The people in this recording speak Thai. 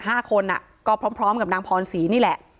ห้าคนก็พร้อมกับนางพรศีนี่แหละ